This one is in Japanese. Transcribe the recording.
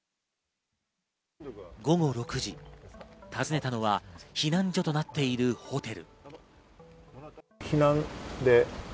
午後６時、訪ねたのは避難所となっているホテル。